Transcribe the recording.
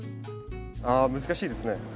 あ難しいですね。